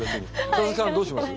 佐々木さんどうします？